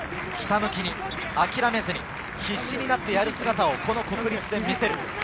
ひたむきに、諦めずに必死になってやる姿を国立で見せる。